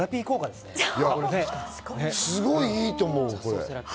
すごいいいと思う。